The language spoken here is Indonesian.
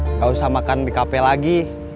nggak usah makan di kafe lagi